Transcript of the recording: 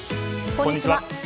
こんにちは。